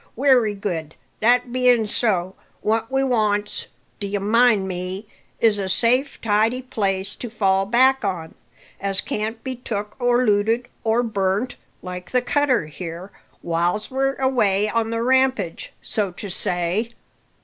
Wery good, that bein' so, what we wants, d'ye mind me, is a safe, tidy place to fall back on, as can't be took, or looted, or burnt, like the cutter here, whiles we're away on the rampage, so to say."